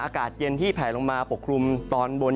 อากาศเย็นที่แผลลงมาปกคลุมตอนบน